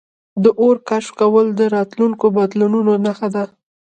د اور کشف کول د راتلونکو بدلونونو نښه وه.